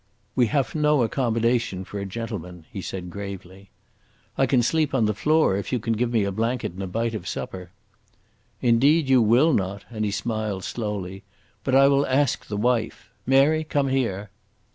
"We will haf no accommodation for a gentleman," he said gravely. "I can sleep on the floor, if you can give me a blanket and a bite of supper." "Indeed you will not," and he smiled slowly. "But I will ask the wife. Mary, come here!"